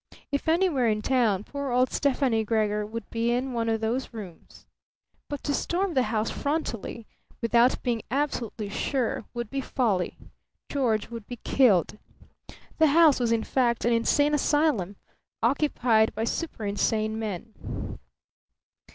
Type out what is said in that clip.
If anywhere in town poor old Stefani Gregor would be in one of those rooms. But to storm the house frontally, without being absolutely sure, would be folly. Gregor would be killed. The house was in fact an insane asylum, occupied by super insane men.